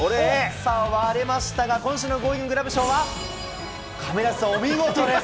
さあ、割れましたが、今週のゴーインググラブ賞は亀梨さん、お見事です。